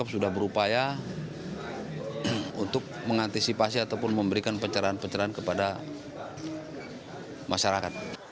sudah berupaya untuk mengantisipasi ataupun memberikan pencerahan pencerahan kepada masyarakat